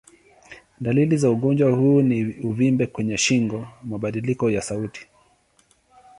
Dalili za ugonjwa huu ni uvimbe kwenye shingo, mabadiliko ya sauti.